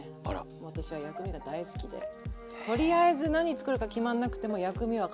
もう私は薬味が大好きでとりあえず何作るか決まんなくても薬味は買っとこうっていう。